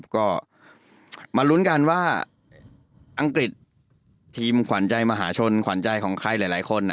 ก็มาลุ้นกันว่าอังกฤษทีมขวัญใจมหาชนขวัญใจของใครหลายคน